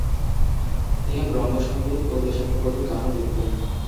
তিনি ব্রহ্মসংগীত ও দেশাত্মোবোধক গানও লিখতেন।